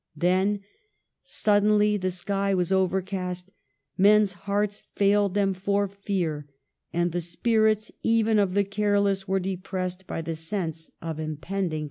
Then, suddenly, the sky was overcast, men's hearts failed them for fear, and the spirits even of the careless were de pressed by the sense of impending catastrophe.